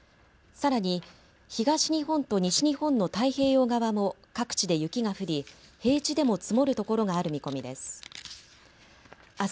さらに東日本と西日本の太平洋側も各地で雪が降り平地でも積もるところがある見込みです。